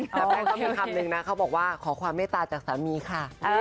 แล้วแป้งก็มีคำนึงนะเขาบอกว่าขอความเมตตาจากสามีค่ะ